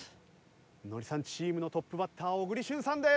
ノリさんチームのトップバッター小栗旬さんです。